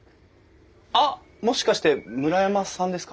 あっもしかして村山さんですか？